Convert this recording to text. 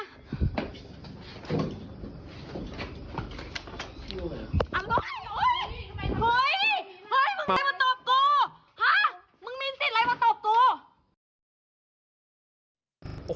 เฮ้ยมึงมีสิทธิ์อะไรมาตอบกู